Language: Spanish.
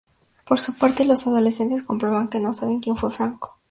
Por su parte, los adolescentes comprueban que no saben quien fue Franco.